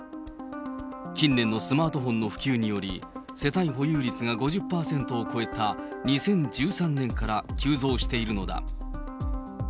近年のスマートフォンの普及により、世帯保有率が５０％を超えた２０１３年から急増しているのだ。